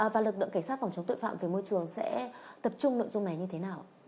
và lực lượng cảnh sát phòng chống tội phạm về môi trường sẽ tập trung nội dung này như thế nào